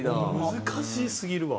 難しすぎるわ。